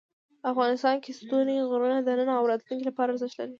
افغانستان کې ستوني غرونه د نن او راتلونکي لپاره ارزښت لري.